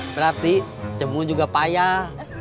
berarti cemun juga payah